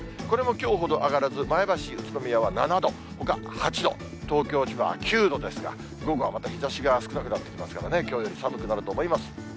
これもきょうほど上がらず、前橋、宇都宮は７度、ほか８度、東京、千葉は９度ですが、午後はまた日ざしが少なくなってきますからね、きょうより寒くなると思います。